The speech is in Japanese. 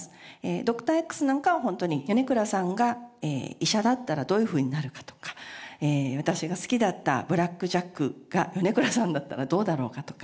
『Ｄｏｃｔｏｒ−Ｘ』なんかは本当に米倉さんが医者だったらどういうふうになるかとか私が好きだった『ブラック・ジャック』が米倉さんだったらどうだろうかとか。